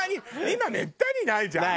今めったにないじゃん。